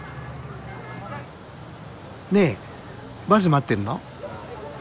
ねえバス待ってるの？